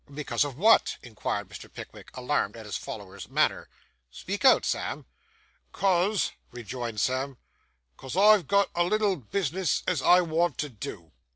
'Because of what?' inquired Mr. Pickwick, alarmed at his follower's manner. 'Speak out, Sam.' ''Cause,' rejoined Sam ''cause I've got a little bisness as I want to do.